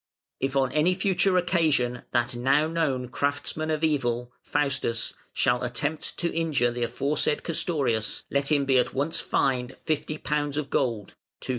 If on any future occasion that now known craftsman of evil (Faustus) shall attempt to injure the aforesaid Castorius, let him be at once fined fifty pounds of gold (£2,000).